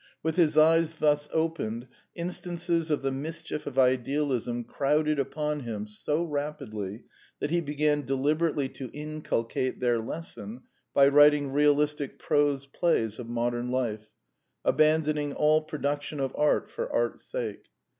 With his eyes thus opened, instances of the mischief of idealism crowded upon him so rapidly that he began deliberately to inculcate their lesson by writing realistic prose plays of modern life, abandoning all production of art for art's sake.